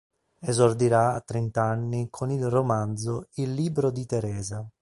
Esordirà a trent'anni con il romanzo "Il libro di Teresa".